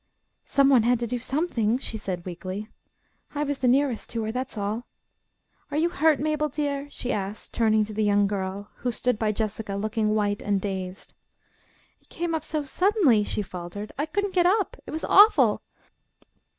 "Some one had to do something," she said weakly. "I was the nearest to her, that's all. Are you hurt, Mabel, dear?" she asked, turning to the young girl, who stood by Jessica, looking white and dazed. "It came so suddenly," she faltered, "I couldn't get up. It was awful!"